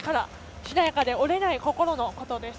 しなやけで折れない心のことです。